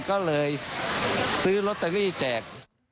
ก็เลยซื้อลอตเตอรี่แจก